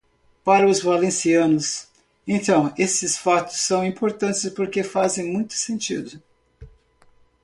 Para os valencianos, então, esses fatos são importantes porque fazem muito sentido.